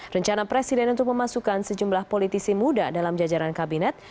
rencana presiden untuk memasukkan sejumlah politisi muda dalam jajaran kabinet